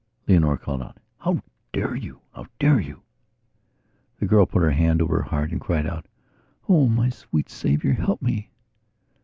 Leonora called out: "How dare you? How dare you?" The girl put her hand over her heart and cried out: "Oh, my sweet Saviour, help me!"